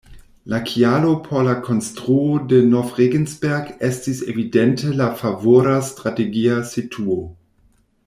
La kialo por la konstruo de Nov-Regensberg estis evidente la favora strategia situo.